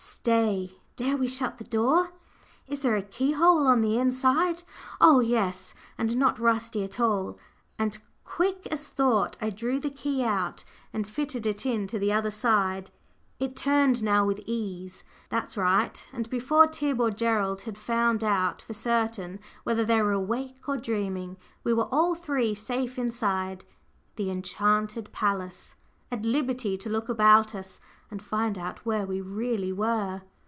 "Stay dare we shut the door? Is there a keyhole on the inside? Oh, yes; and not rusty at all," and quick as thought I drew the key out and fitted it in to the other side; it turned now with ease. "That's right;" and before Tib or Gerald had found out for certain whether they were awake or dreaming, we were all three safe inside the enchanted palace, at liberty to look about us and find out where we really were.